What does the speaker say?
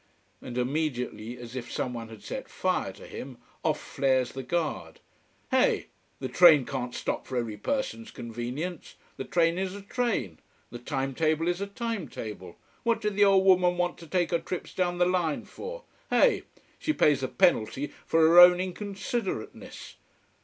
And immediately, as if someone had set fire to him, off flares the guard. Heh! the train can't stop for every person's convenience! The train is a train the time table is a time table. What did the old woman want to take her trips down the line for? Heh! She pays the penalty for her own inconsiderateness.